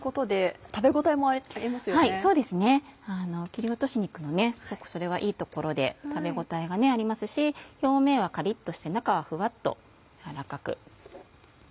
切り落とし肉のすごくそれはいいところで食べ応えがありますし表面はカリっとして中はフワっと軟らかく。